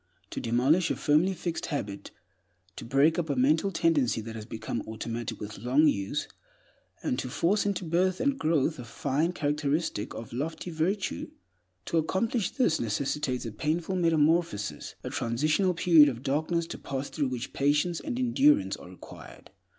To demolish a firmly fixed habit, to break up a mental tendency that has become automatic with long use, and to force into birth and growth a fine characteristic or lofty virtue—to accomplish this necessitates a painful metamorphosis, a transitional period of darkness, to pass through which patience and endurance are required.